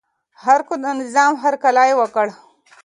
خلکو د نظام هرکلی وکړ.